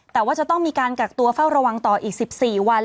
แต่ว่าจะต้องมีการกักตัวเฝ้าระวังต่ออีก๑๔วัน